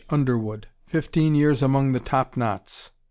Underwood, "Fifteen Years among the Top Knots."